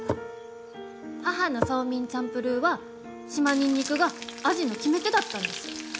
母のソーミンチャンプルーは島ニンニクが味の決め手だったんです。